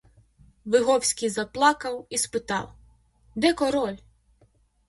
Виговський заплакав і спитав: де король?